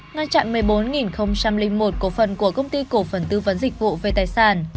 ngăn chặn một mươi bốn một cổ phần của công ty cổ phần tư vấn dịch vụ về tài sản